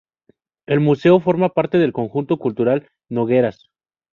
El museo forma parte del conjunto cultural Nogueras.